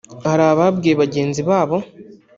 Hari ababwiye bagenzi babo